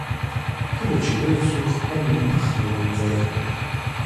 کله چې وچ شو، خپل مخ ومینځئ.